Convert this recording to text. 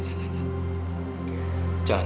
jangan jangan jangan